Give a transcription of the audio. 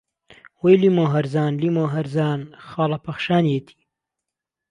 وهی لیمۆ ههرزان لیمۆ ههرزان خاڵهپهخشانیهتی